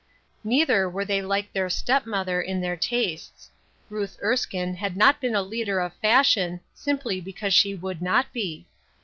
Neither were they like their step mother in their tastes. Ruth Erskine had not been a leader of Fashion, simply because she would not be.